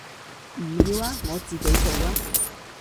唔要啊，我自己做啊